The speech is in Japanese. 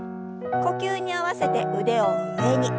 呼吸に合わせて腕を上に。